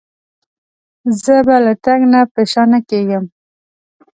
زه به له تګ نه په شا نه کېږم.